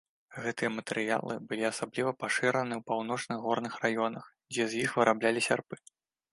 Гэтыя матэрыялы былі асабліва пашыраны ў паўночных горных раёнах, дзе з іх выраблялі сярпы.